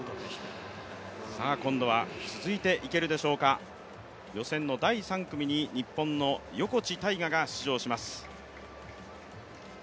今度は続いていけるでしょうか予選第３組に日本の横地大雅が出場します。